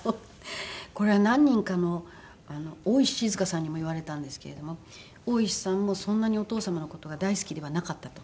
これは何人かの大石静さんにも言われたんですけれども大石さんもそんなにお父様の事が大好きではなかったと。